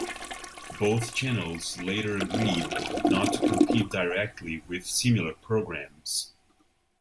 Both channels later agreed not to compete directly with similar programmes.